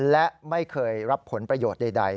และไม่เคยรับผลประโยชน์ใด